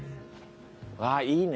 あっいいね。